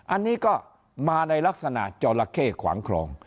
อันนี้ก็มาในลักษณะจอละเข้ขวางคลอง